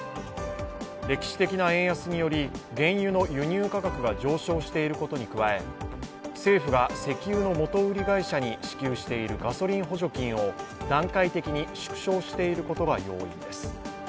歴史的な円安により原油の輸入価格が上昇していることに加え政府が石油の元売り会社に支給しているガソリン補助金を段階的に縮小していることが要因です。